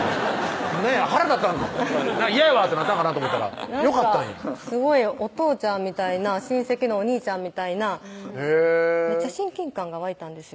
腹立ったんか嫌やわってなったんかなと思ったらなんかすごいお父ちゃんみたいな親戚のお兄ちゃんみたいなめっちゃ親近感が湧いたんですよ